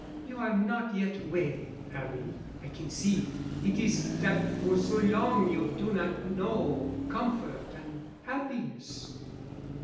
"You are not yet well, 'Arry. I can see. It is dat for so long you do not know comfort an' 'appiness.